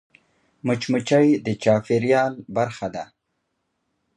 مچمچۍ د چاپېریال برخه ده